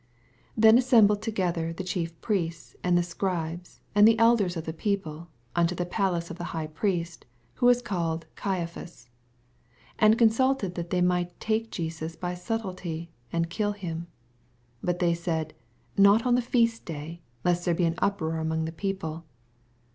8 Then assembled together the Chief Priests, and the Scribes, and the elders of the peoi)le, nnto the palace of the High Priest, who was called Caiaphas, 4 And consnlted that the^ mijB^ht take Jesns by snbtilty, and kill him, 5 Bnt they said, Not on the feast day, lest there be an uproar among the people.